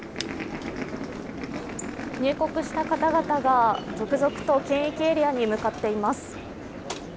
入国した方々が続々と検疫エリアに向かっています。